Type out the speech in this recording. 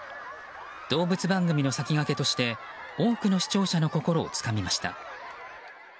動物番組の先駆けとして多くの視聴者の心をつかみました。